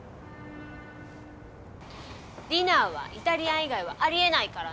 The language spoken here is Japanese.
ディナーはイタリアン以外はありえないからね。